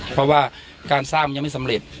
เพราะว่าการสร้างมันยังไม่สำเร็จ